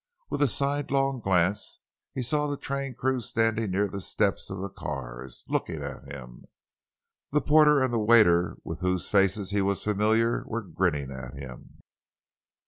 With a sidelong glance he saw the train crew standing near the steps of the cars, looking at him. The porter and the waiter with whose faces he was familiar, were grinning at him.